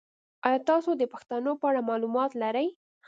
ایا تاسو د پښتنو په اړه معلومات لرئ؟